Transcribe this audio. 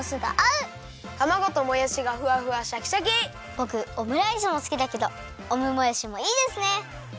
ぼくオムライスもすきだけどオムもやしもいいですね！